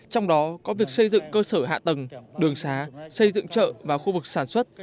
trong đó có việc xây dựng cơ sở hạ tầng đường xá xây dựng chợ và khu vực sản xuất